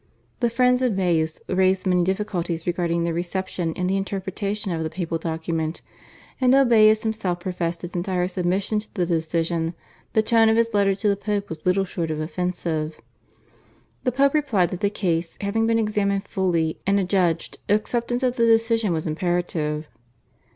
The friends of Baius raised many difficulties regarding the reception and the interpretation of the papal document, and though Baius himself professed his entire submission to the decision, the tone of his letter to the Pope was little short of offensive. The Pope replied that the case having been examined fully and adjudged acceptance of the decision was imperative.